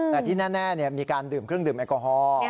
แต่ที่แน่มีการดื่มเครื่องดื่มแอลกอฮอล์